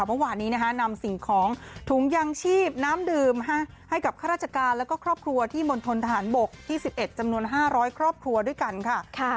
เมื่อวานนี้นำสิ่งของถุงยางชีพน้ำดื่มให้กับข้าราชการแล้วก็ครอบครัวที่มณฑนทหารบกที่๑๑จำนวน๕๐๐ครอบครัวด้วยกันค่ะ